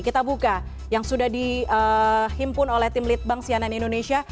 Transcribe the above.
kita buka yang sudah dihimpun oleh tim litbang sianan indonesia